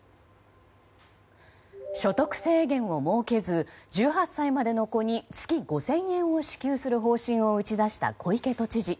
所得制限を設けず１８歳までの子に月５０００円を支給する方針を打ち出した小池都知事。